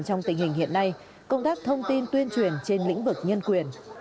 trong tình hình hiện nay công tác thông tin tuyên truyền trên lĩnh vực nhân quyền